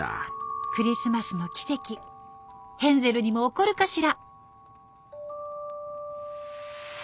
クリスマスの奇跡ヘンゼルにも起こるかしら。